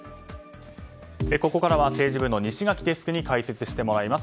ここからは政治部の西垣デスクに解説してもらいます。